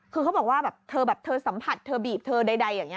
คือเขาบอกว่าแบบเธอแบบเธอสัมผัสเธอบีบเธอใดอย่างนี้